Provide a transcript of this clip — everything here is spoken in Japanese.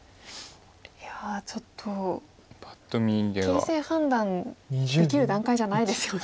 いやちょっと形勢判断できる段階じゃないですよね。